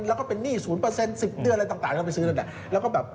เราก็ไปหนี้๐๑๐เดือนก็ไปซื้อหน่อย